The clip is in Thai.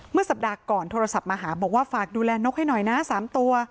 สัปดาห์ก่อนโทรศัพท์มาหาบอกว่าฝากดูแลนกให้หน่อยนะ๓ตัว